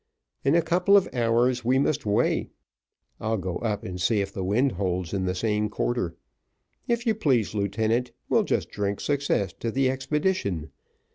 In a couple of hours we must weigh. I'll go up and see if the wind holds in the same quarter. If you please, lieutenant, we'll just drink success to the expedition.